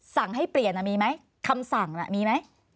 สั่งให้เปลี่ยนมีไหมคำสั่งมีไหม